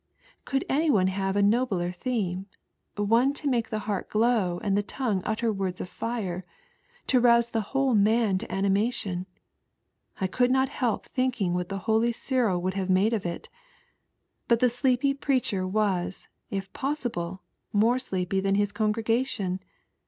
Could any one have a nobler theme ? One to make the heart glow and the tongue utter words oi' fire, to rouse tho whole man to animation. I could not help thinking what the holy Cyril would have made of it. Bat the sleepy preacher waa, if possible, more sleepy than his congregation.